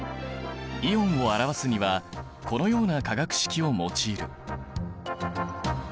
イオンを表すにはこのような化学式を用いる。